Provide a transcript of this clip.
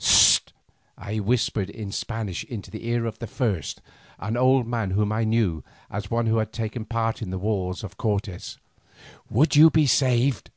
"Hist!" I whispered in Spanish into the ear of the first, an old man whom I knew as one who had taken part in the wars of Cortes. "Would you be saved?"